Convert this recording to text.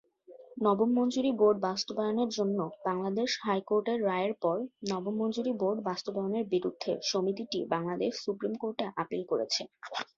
নবম মজুরি বোর্ড বাস্তবায়নের জন্য বাংলাদেশ হাইকোর্টের রায়ের পর নবম মজুরি বোর্ড বাস্তবায়নের বিরুদ্ধে সমিতিটি বাংলাদেশ সুপ্রিম কোর্টে আপিল করেছে।